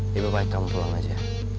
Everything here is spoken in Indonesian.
lebih baik kamu pulang aja